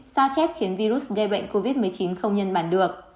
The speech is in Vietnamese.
sao chép khiến virus gây bệnh covid một mươi chín không nhân bản được